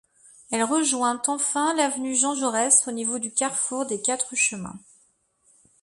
Elle rejoint enfin l'avenue Jean-Jaurès au niveau du carrefour des Quatre-chemins.